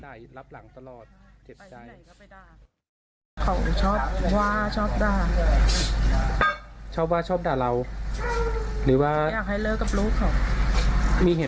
มันจูงใจขนาดถึงทำให้